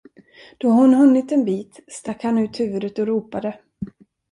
Då hon hunnit en bit, stack han ut huvudet och ropade.